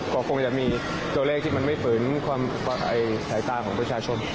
ก็คงจะมีตัวเลขที่มันไม่ฝืนความสายตาของประชาชน